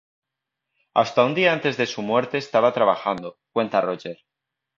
Hasta un día antes de su muerte estaba trabajando", cuenta Roger.